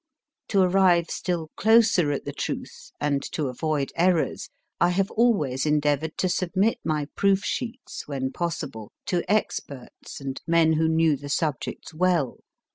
To arrive still closer at the truth, and to avoid errors, I have always endeavoured to submit my proof sheets, when possible, to experts and men who knew the subjects well.